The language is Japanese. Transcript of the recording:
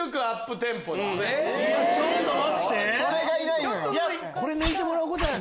それがいないのよ。